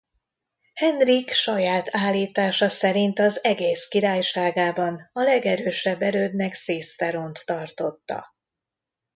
Henrik saját állítása szerint az egész királyságában a legerősebb erődnek Sisteront tartotta.